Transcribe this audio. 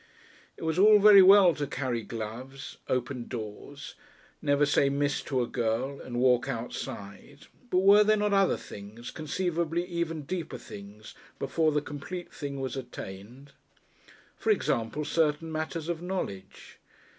It was all very well to carry gloves, open doors, never say "Miss" to a girl, and walk "outside," but were there not other things, conceivably even deeper things, before the complete thing was attained? For example, certain matters of knowledge.